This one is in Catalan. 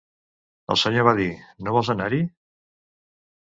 El senyor va dir: "No vols anar-hi?".